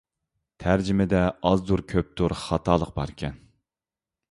تەرجىمەمدە ئازدۇر-كۆپتۇر خاتالىق باركەن.